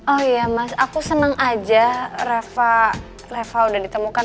oh iya mas aku senang aja reva udah ditemukan